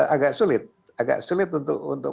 agak sulit agak sulit untuk